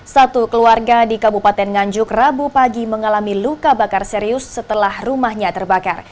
satu keluarga di kabupaten nganjuk rabu pagi mengalami luka bakar serius setelah rumahnya terbakar